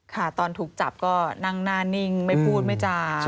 ค่ะตอนถูกจับก็นั่งหน้านิ่งไม่พูดไม่จา